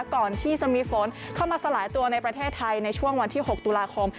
ก่อนที่จะมีฝนเข้ามาสลายตัวในประเทศไทยในช่วงวันที่๖ตุลาคม